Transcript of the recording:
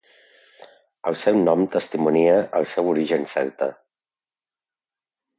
El seu nom testimonia el seu origen celta.